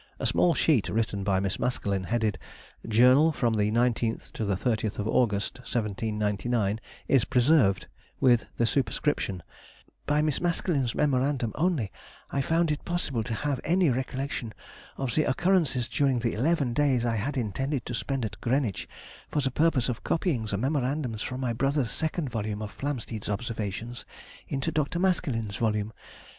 A small sheet, written by Miss Maskelyne, headed "Journal from the 19th to the 30th of August, 1799," is preserved, with the superscription: "By Miss Maskelyne's memorandum only I found it possible to have any recollection of the occurrences during the eleven days I had intended to spend at Greenwich for the purpose of copying the memorandums from my brother's second volume of Flamsteed's Observations into Dr. Maskelyne's volume.